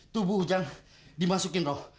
tubuh ujang dimasukin raw